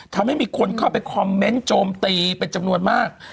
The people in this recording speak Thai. ทำให้มีคนเข้าไปคอมเมนต์โจมตีเป็นจำนวนมาก